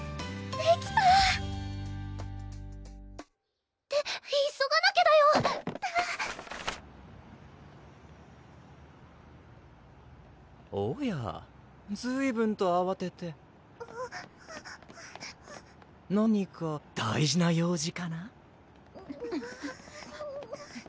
できたって急がなきゃだよおやずいぶんとあわてて何か大事な用事かな？